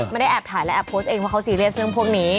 เพราะเขาซีเรียสเรื่องพวกนี้